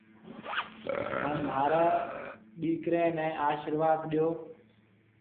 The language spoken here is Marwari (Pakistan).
هانَ مهارَي ڏيڪريَ نَي آشرواڌ ڏيو۔